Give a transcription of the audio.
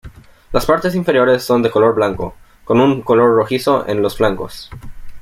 Las partes inferiores son de color blanco, con un color rojizo en los flancos.